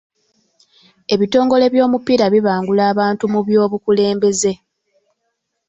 Ebitongole by'omupiira bibangula abantu mu by'obukulembeze.